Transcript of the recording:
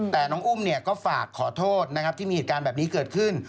แต่น้องอุ้มก็ฝากขอโทษนะครับที่มีอิจการแบบนี้เกิดขึ้น